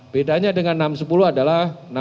bedanya dengan enam ratus sepuluh adalah enam